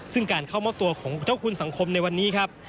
ซึ่งการเข้ามอบตัวของเจ้าคุณสังคมในวันนี้ครับ